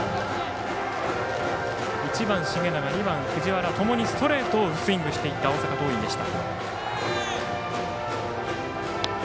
１番、繁永２番、藤原ともにストレートをスイングしていった大阪桐蔭でした。